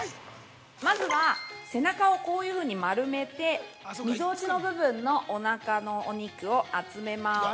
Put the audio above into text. ◆まずは背中をこういうふうに丸めて、みぞおちの部分のおなかのお肉を集めます。